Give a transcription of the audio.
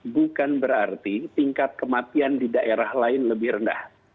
bukan berarti tingkat kematian di daerah lain lebih rendah